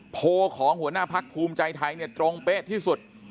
โพลของหัวหน้าพักภูมิใจไทยเนี่ยตรงเป๊ะที่สุด